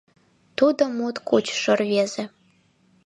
Тудо мут кучышо рвезе.